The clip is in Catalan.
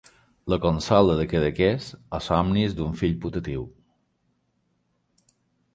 La consola de Cadaqués o somnis d'un fill putatiu...